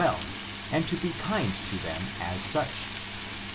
317 well, and to be kind to them as such.